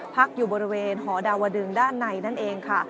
พักอยู่บริเวณหอดาวดึงด้านในนั่นเองค่ะ